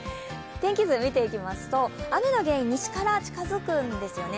天気図、見ていきますと雨の原因、西から近づくんですよね。